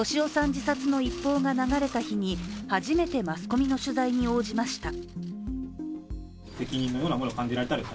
自殺の一報が流れた日に初めてマスコミの取材に応じました。